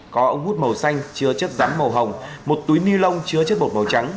có ống hút màu xanh chứa chất rắn màu hồng một túi ni lông chứa chất bột màu trắng